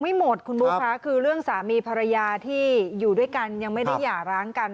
ไม่หมดคุณบุ๊คะคือเรื่องสามีภรรยาที่อยู่ด้วยกันยังไม่ได้หย่าร้างกัน